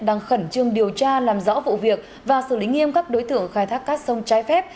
đang khẩn trương điều tra làm rõ vụ việc và xử lý nghiêm các đối tượng khai thác cát sông trái phép